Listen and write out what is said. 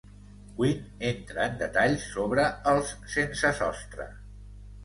Quinn entra en detalls sobre els sensesostre.